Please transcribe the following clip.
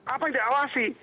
apa yang diawasi